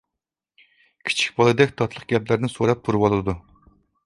كىچىك بالىدەك تاتلىق گەپلەرنى سوراپ تۇرۇۋالىدۇ.